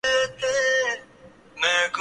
پاکستان تحریک انصاف کے رہنما عمران خان